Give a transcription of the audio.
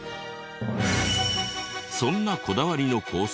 そんなこだわりのコース